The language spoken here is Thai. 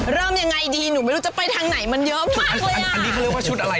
แล้วทำยังไงดีจะไปทางไหนมันเยอะมากเลย